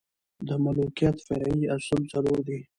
د ملوکیت فرعي اصول څلور دي.